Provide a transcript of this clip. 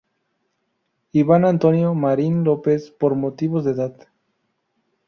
Ivan Antonio Marín López por motivos de edad.